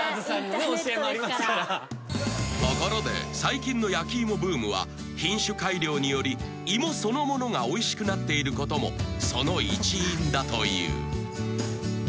［ところで最近の焼き芋ブームは品種改良により芋そのものがおいしくなっていることもその一因だという］